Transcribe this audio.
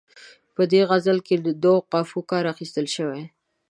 په دې غزل کې له دوو قافیو کار اخیستل شوی.